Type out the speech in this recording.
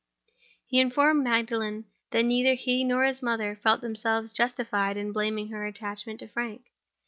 He informed Magdalen that neither he nor her mother felt themselves justified in blaming her attachment to Frank.